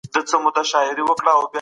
بهرنی سیاست حیاتي رول لوبوي.